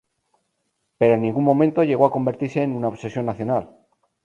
Pero en ningún momento llegó a convertirse en una obsesión nacional.